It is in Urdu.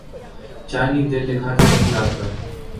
چاندنی دل دکھاتی رہی رات بھر